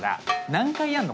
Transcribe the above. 何回やんの？